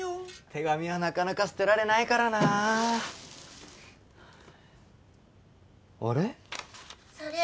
手紙はなかなか捨てられないからなああれ？